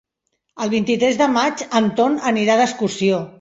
El vint-i-tres de maig en Ton anirà d'excursió.